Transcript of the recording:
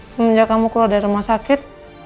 semenjak kamu keluar dari rumah sakit